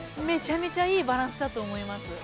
めちゃめちゃいいバランスだと思います。